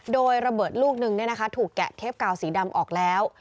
โดยระเบิดลูกนึงถูกแกะเทปกาวสีดำออกแล้ว